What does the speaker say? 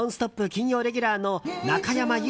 金曜レギュラーの中山優